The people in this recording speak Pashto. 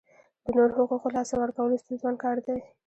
د نورو حقوقو لاسه ورکول ستونزمن کار دی.